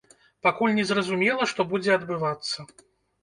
Пакуль не зразумела, што будзе адбывацца.